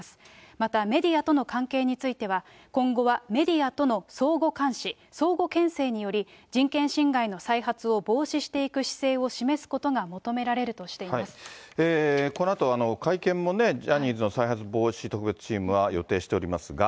またメディアとの関係については、今後はメディアとの相互監視、相互けんせいにより、人権侵害の再発を防止していく姿勢を示すことが求められるとしてこのあと、会見もね、ジャニーズの再発防止特別チームは予定しておりますが。